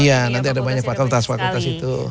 iya nanti ada banyak fatalitas fakultas itu